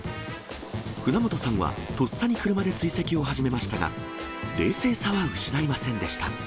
船本さんはとっさに車で追跡を始めましたが、冷静さは失いません